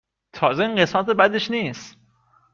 تازه این قسمت بدش نیست